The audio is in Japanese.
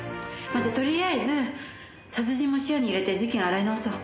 とりあえず殺人も視野に入れて事件を洗い直そう。